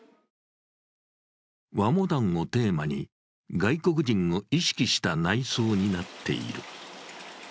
和モダンをテーマに外国人を意識した内装になっている。